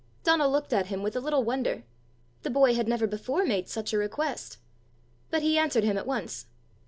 Donal looked at him with a little wonder: the boy had never before made such a request! But he answered him at once.